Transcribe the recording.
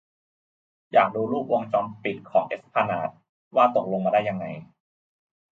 อยากดูรูปวงจรปิดของเอสพลานาดว่าตกลงมาได้ยังไง